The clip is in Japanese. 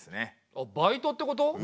あっバイトってこと？